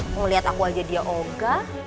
ngeliat aku aja dia oga